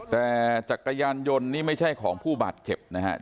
แต่จักรยานยนต์นี่ไม่ใช่ของผู้บาดเจ็บนะครับ